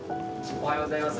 おはようございます。